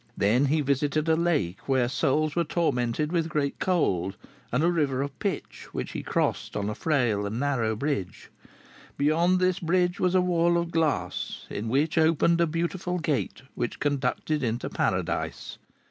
Then he visited a lake where souls were tormented with great cold; and a river of pitch, which he crossed on a frail and narrow bridge. Beyond this bridge was a wall of glass, in which opened a beautiful gate, which conducted into Paradise.